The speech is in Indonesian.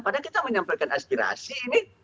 padahal kita menyampaikan aspirasi ini